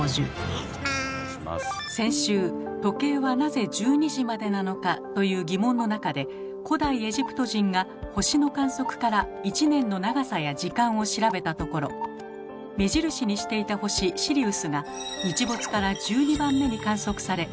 先週「時計はなぜ１２時までなのか？」という疑問の中で古代エジプト人が星の観測から１年の長さや時間を調べたところ目印にしていた星シリウスが日没から１２番目に観測され